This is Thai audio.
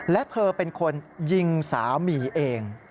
และเธอเป็นคนยิงสามีเอง